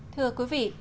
thưa quý vị